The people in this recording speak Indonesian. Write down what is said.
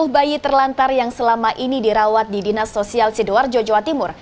dua puluh bayi terlantar yang selama ini dirawat di dinas sosial sidoar jawa timur